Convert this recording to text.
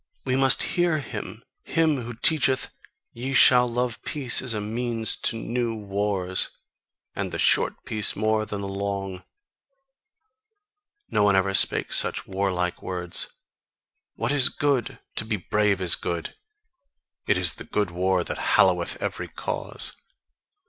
We must HEAR him; him who teacheth: 'Ye shall love peace as a means to new wars, and the short peace more than the long!' No one ever spake such warlike words: 'What is good? To be brave is good. It is the good war that halloweth every cause.